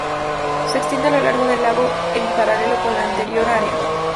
Se Extiende a lo Largo Del Lago, en Paralelo Con La Anterior Área.